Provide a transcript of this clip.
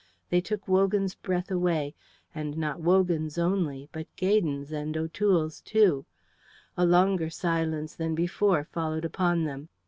They took Wogan's breath away, and not Wogan's only, but Gaydon's and O'Toole's, too. A longer silence than before followed upon them.